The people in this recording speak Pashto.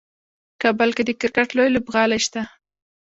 کابل کې د کرکټ لوی لوبغالی شته.